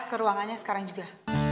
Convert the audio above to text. ke ruangannya sekarang juga